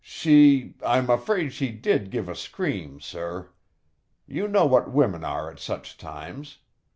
She I'm afraid she did give a scream, sir. You know what women are at such times.